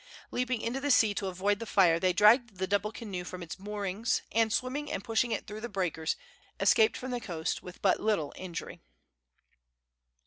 Leaping into the sea to avoid the fire, they dragged the double canoe from its moorings, and, swimming and pushing it through the breakers, escaped from the coast with but little injury.